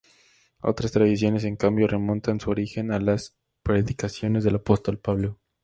Otras tradiciones en cambio remontan su origen a las predicaciones del apóstol Pablo.